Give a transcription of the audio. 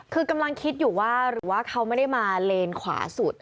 คือกำลังคิดอยู่ว่าหรือว่าเขาไม่ได้มาเลนขวาสุด